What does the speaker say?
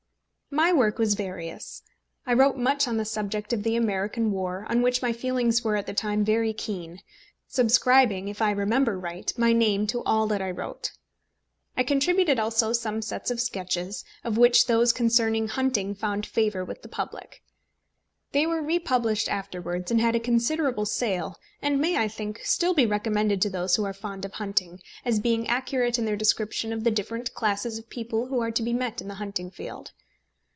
My work was very various. I wrote much on the subject of the American War, on which my feelings were at the time very keen, subscribing, if I remember right, my name to all that I wrote. I contributed also some sets of sketches, of which those concerning hunting found favour with the public. They were republished afterwards, and had a considerable sale, and may, I think, still be recommended to those who are fond of hunting, as being accurate in their description of the different classes of people who are to be met in the hunting field.